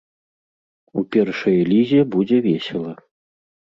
У першай лізе будзе весела.